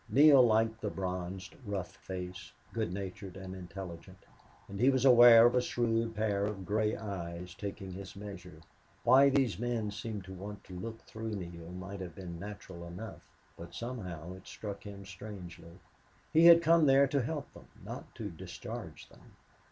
Neale liked the bronzed, rough face, good natured and intelligent. And he was aware of a shrewd pair of gray eyes taking his measure. Why these men seemed to want to look through Neale might have been natural enough, but somehow it struck him strangely. He had come there to help them, not to discharge them.